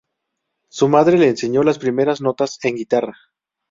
Su madre le enseñó las primeras notas en guitarra.